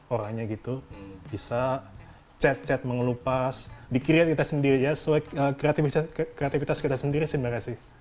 oranya gitu bisa cat cat mengelupas dikreatifitas sendiri kreativitas kita sendiri sih merah sih